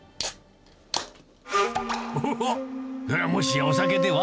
おっ、もしやお酒では？